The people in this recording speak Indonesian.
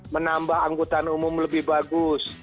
menambah angkutan umum lebih bagus